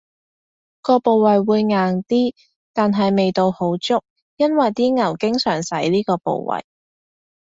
個部位會硬啲，但係味道好足，因爲啲牛經常使呢個部位